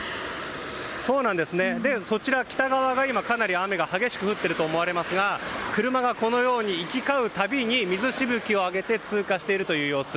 そちら、北側が今かなり雨が激しく降っていると思われますが車が行き交う度に水しぶきを上げて通過しているという様子。